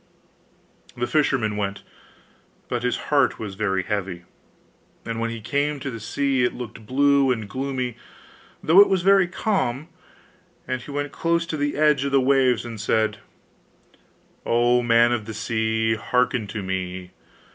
The fisherman went, but his heart was very heavy: and when he came to the sea, it looked blue and gloomy, though it was very calm; and he went close to the edge of the waves, and said: 'O man of the sea! Hearken to me!